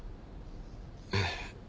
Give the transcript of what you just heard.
ええ。